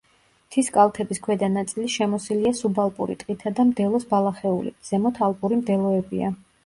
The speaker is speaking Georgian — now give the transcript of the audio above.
მთის კალთების ქვედა ნაწილი შემოსილია სუბალპური ტყითა და მდელოს ბალახეულით, ზემოთ ალპური მდელოებია.